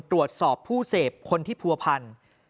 ตรวจสอบผู้เสพคนที่ผัวพัน